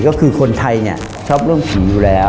ก็คือคนไทยเนี่ยชอบเรื่องผีอยู่แล้ว